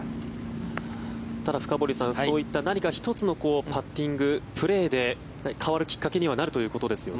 ただ、深堀さんそういった何か１つのパッティングプレーで変わるきっかけにはなるということですよね。